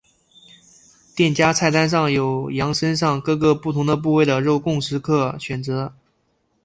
店家菜单上有羊身上各个不同的部位的肉供食客选择。